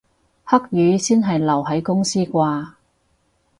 黑雨先係留喺公司啩